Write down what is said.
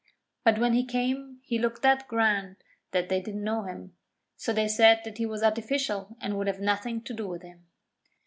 But when he came he looked that grand that they didn't know him. So they said that he was artificial and would have nothing to do with him.